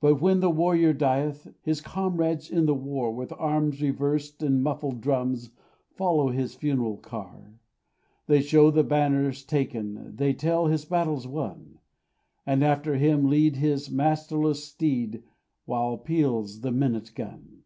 But, when the warrior dieth, His comrades in the war, With arms reversed and muffled drums, Follow his funeral car; They show the banners taken, They tell his battles won, And after him lead his masterless steed, While peals the minute gun.